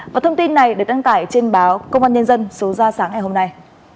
và thông tin này được đăng tải trên báo công an nhân dân số ra sáng ngày hôm nay